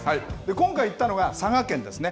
今回行ったのが、佐賀県ですね。